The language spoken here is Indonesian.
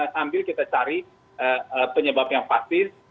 sambil kita cari penyebab yang pasti